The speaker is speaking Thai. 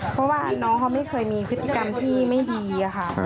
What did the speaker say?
เพราะว่าน้องเขาไม่เคยมีพฤติกรรมที่ไม่ดีค่ะ